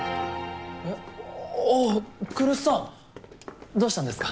あっおぉ来栖さんどうしたんですか？